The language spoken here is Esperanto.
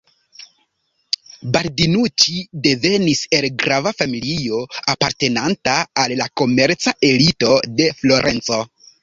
Baldinuĉi devenis el grava familio apartenanta al la komerca elito de Florenco.